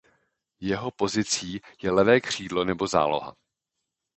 Jeho pozicí je levé křídlo nebo záloha.